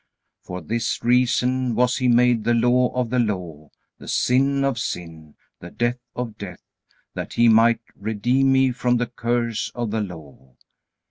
For this reason was He made the law of the Law, the sin of sin, the death of death, that He might redeem me from the curse of the Law.